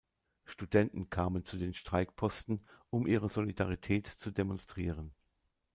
Studenten kamen zu den Streikposten, um ihre Solidarität zu demonstrieren.